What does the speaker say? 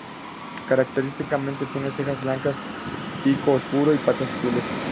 Característicamente tiene cejas blancas, pico oscuro, y patas azules.